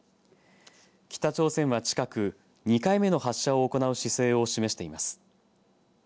北朝鮮は近く２回目の発射を行う姿勢を示しています。